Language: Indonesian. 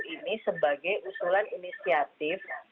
ini sebagai usulan inisiatif